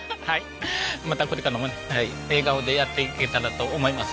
またこれからもね笑顔でやっていけたらと思います